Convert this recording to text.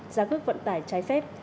giá cước vận tải trái phép